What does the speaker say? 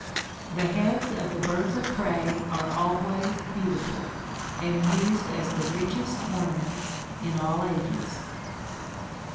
The heads of the birds of prey are always beautiful, and used as the richest ornaments in all ages.